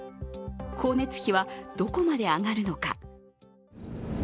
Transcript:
光熱費はどこまで上がるのか。